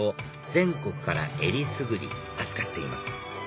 全国からえりすぐり扱っています